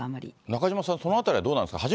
中島さん、そのあたりはどうなんですか。